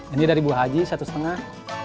ini dari buah haji satu setengah